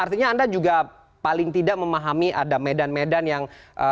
artinya anda juga paling tidak memahami ada medan medan yang